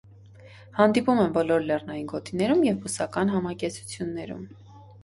Հանդիպում են բոլոր լեռնային գոտիներում և բուսական համակեցություններում։